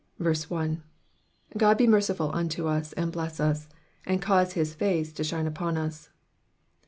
1. *^ Ood be mercifvl unto us, and bless us; and cause his face to shine upon us.'